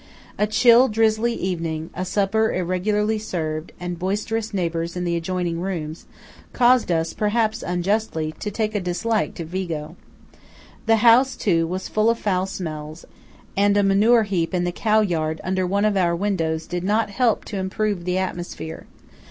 A chill, drizzly evening, a supper irregularly served, and boisterous neighbours in the adjoining rooms, caused us, perhaps unjustly, to take a dislike to Vigo. The house, too, was full of foul smells; and a manure heap in the cow yard under one of our windows did not help to improve the atmosphere.